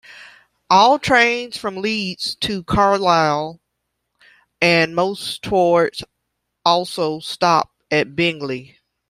All trains from Leeds to Carlisle and most towards also stop at Bingley.